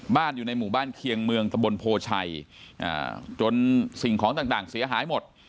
อยู่ในหมู่บ้านเคียงเมืองตะบนโพชัยจนสิ่งของต่างเสียหายหมด